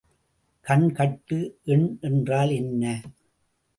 கண்கட்டு எண் என்றால் என்ன?